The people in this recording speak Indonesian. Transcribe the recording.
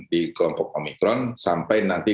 di kelompok omikron sampai nanti